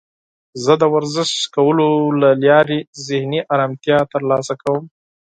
زه د ورزش کولو له لارې ذهني آرامتیا ترلاسه کوم.